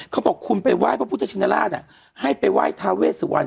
เขาบอกคุณไปไหว้พระพุทธชินราชให้ไปไหว้ทาเวสวรรณ